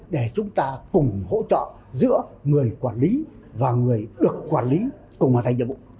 để chúng ta cùng hỗ trợ giữa người quản lý và người được quản lý cùng hoàn thành nhiệm vụ